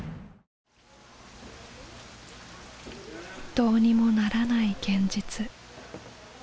どうにもならない現実。